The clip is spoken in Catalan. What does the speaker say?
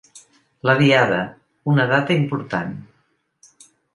La Diada: ‘una data important’